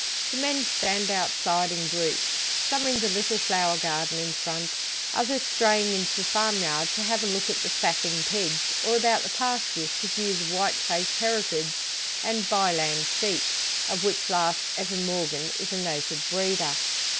The men stand outside in groups, some in the little flower garden in front, others straying into the farmyard to have a look at the fatting pigs, or about the pastures to view the white faced Herefords and "Bye land" sheep; of which last Evan Morgan is a noted breeder.